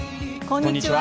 こんにちは。